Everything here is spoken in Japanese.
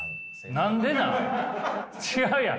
何でなん！？